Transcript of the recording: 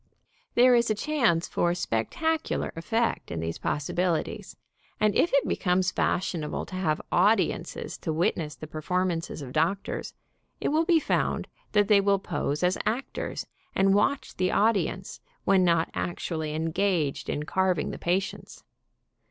There is a chance for spec tacular effect in these possibilities, and if it becomes fashionable to have audiences to witness the perform ances of doctors, it will be found that they will pose as actors, and watch the audience when not actually engaged in carving the patients.